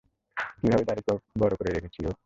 কিভাবে দাড়ি-গোঁফ বড় করে রেখেছি ও!